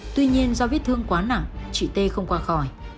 tuy nhiên do vết thương quá nặng chị t không qua khỏi